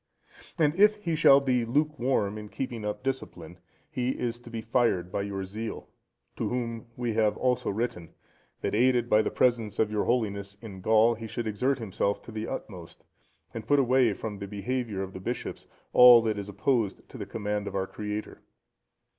And if he shall be lukewarm in keeping up discipline, he is to be fired by your zeal; to whom we have also written, that aided by the presence of your Holiness in Gaul, he should exert himself to the utmost, and put away from the behaviour of the bishops all that is opposed to the command of our Creator.